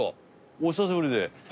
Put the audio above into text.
お久しぶりで。